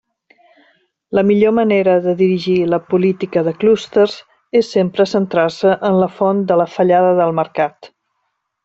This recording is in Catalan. La millor manera de dirigir la política de clústers és sempre centrar-se en la font de la fallada del mercat.